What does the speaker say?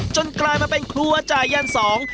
กลายมาเป็นครัวจ่ายันสอง